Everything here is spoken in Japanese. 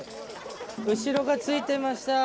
後ろがついてました。